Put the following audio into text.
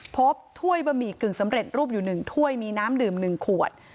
พบถ้วยบะหมี่กึ่งสำเร็จรูปอยู่หนึ่งถ้วยมีน้ำดื่มหนึ่งขวด